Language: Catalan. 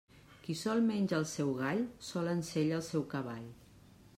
Qui sol menja el seu gall, sol ensella el seu cavall.